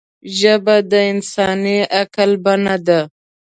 ژبه د انساني عقل بڼه ده